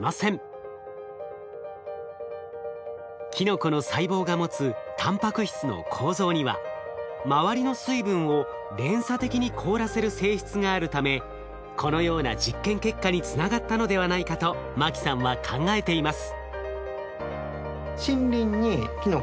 キノコの細胞が持つたんぱく質の構造には周りの水分を連鎖的に凍らせる性質があるためこのような実験結果につながったのではないかと牧さんは考えています。